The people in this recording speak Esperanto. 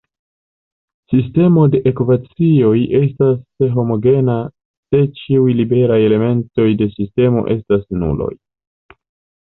Sistemo de ekvacioj estas homogena se ĉiuj liberaj elementoj de sistemo estas nuloj.